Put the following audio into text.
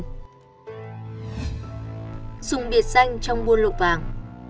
dùng biệt danh trong buôn lậu vàng